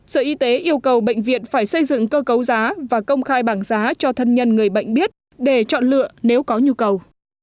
sở y tế yêu cầu bệnh viện phải xây dựng cơ cấu giá và công khai bảng giá cho thân nhân người bệnh biết để chọn lựa nếu có nhu cầu